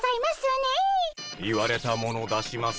言われたもの出します。